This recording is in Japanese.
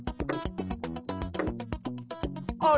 あれ？